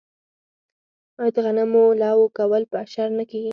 آیا د غنمو لو کول په اشر نه کیږي؟